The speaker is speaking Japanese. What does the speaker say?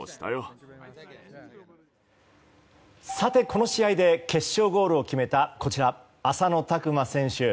この試合で決勝ゴールを決めたこちら、浅野拓磨選手。